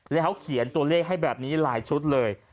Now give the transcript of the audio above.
แล้วเขียนตัวเลขให้แบบนี้หลายชุดเลย